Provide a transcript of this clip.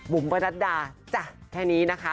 บุ๋มปะนัดดาจ๊ะแค่นี้นะคะ